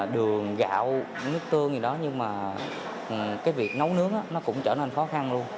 đường gạo nước tương gì đó nhưng mà cái việc nấu nước nó cũng trở nên khó khăn luôn